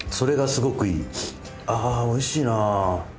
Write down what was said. あおいしいなぁ。